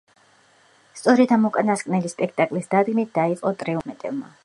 სწორედ ამ უკანასკნელი სპექტაკლის დადგმით დაიწყო ტრიუმფალური სვლა სანდრო ახმეტელმა.